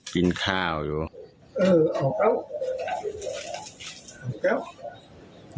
กินข้าวอยู่